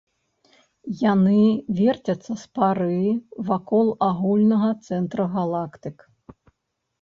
Яны верцяцца з пары вакол агульнага цэнтра галактык.